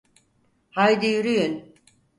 Haydi yürüyün.